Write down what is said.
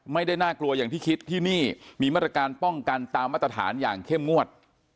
ไม่ได้น่ากลัวอย่างที่คิดที่นี่มีมาตรการป้องกันตามมาตรฐานอย่างเข้มงวด